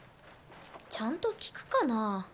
ちゃんと効くかな？